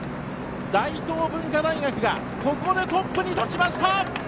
大東文化大学がここでトップに立ちました！